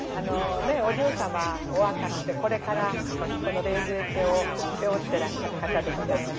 お嬢様お若くてこれからこの冷泉家を背負ってらっしゃる方でございましょうかね。